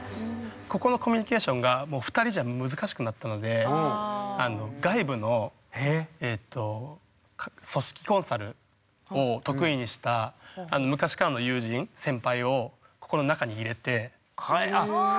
ここのコミュニケーションがもう２人じゃ難しくなったのでえっ？を得意にした昔からの友人先輩をここの中に入れて。